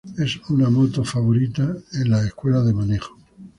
Es una moto favorita en las escuelas de manejo.